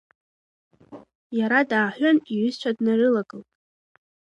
Иара дааҳәын, иҩызцәа днарылагылт.